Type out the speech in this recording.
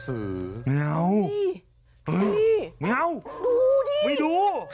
สวัสดีทุกคน